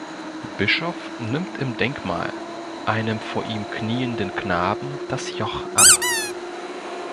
Bischof nimmt im Denkmal einem vor ihm knienden Knaben das Joch ab.